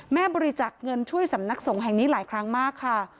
บริจักษ์เงินช่วยสำนักสงฆ์แห่งนี้หลายครั้งมากค่ะ